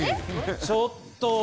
ちょっと！